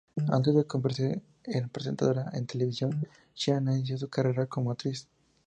Antes de convertirse en presentadora de televisión, Xie Na inició su carrera como actriz.